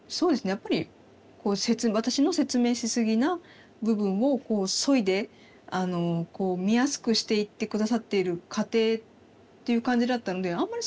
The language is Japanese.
やっぱり私の説明しすぎな部分をそいで見やすくしていって下さっている過程っていう感じだったのであんまり